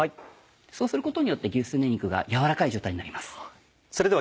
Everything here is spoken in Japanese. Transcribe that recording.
そうすることによって牛すね肉が軟らかい状態になります。